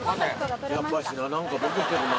やっぱしな。